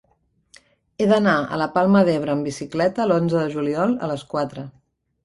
He d'anar a la Palma d'Ebre amb bicicleta l'onze de juliol a les quatre.